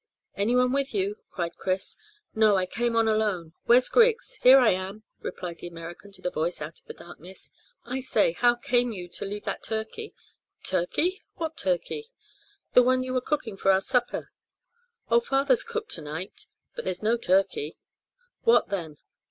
"Anyone with you?" cried Chris. "No; I came on alone. Where's Griggs?" "Here I am," replied the American to the voice out of the darkness. "I say, how came you to leave that turkey?" "Turkey! What turkey?" "The one you were cooking for our supper." "Oh, father's cook to night; but there's no turkey." "What, then?"